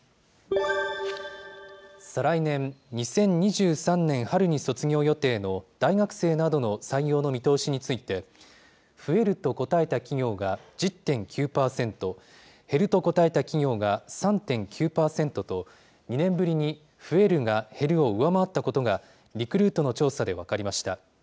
再来年・２０２３年春に卒業予定の大学生などの採用の見通しについて、増えると答えた企業が１０．９％、減ると答えた企業が３．９％と、２年ぶりに増えるが減るを上回ったことが、リクルートの調査で分かりました。